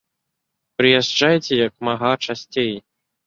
Прыязджайце як мага часцей.